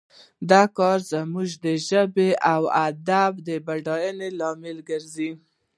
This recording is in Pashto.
دا کار زموږ د ژبې او ادب د بډاینې لامل کیږي